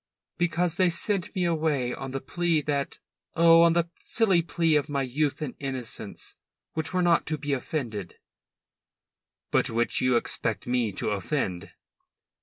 "Because they sent me away on the plea that oh, on the silly plea of my youth and innocence, which were not to be offended." "But which you expect me to offend?"